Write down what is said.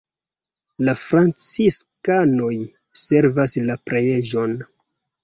La franciskanoj servas la preĝejon.